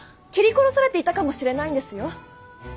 斬り殺されていたかもしれないんですよ。